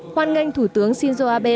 hoan nghênh thủ tướng shinzo abe